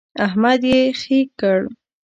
احمد يې خې کړ.